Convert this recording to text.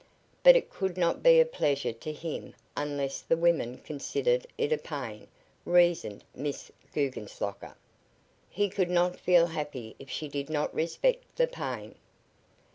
"But it could not be a pleasure to him unless the woman considered it a pain," reasoned Miss Guggenslocker. "He could not feel happy if she did not respect the pain."